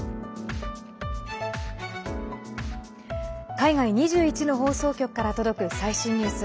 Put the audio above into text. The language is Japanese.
海外２１の放送局から届く最新ニュース。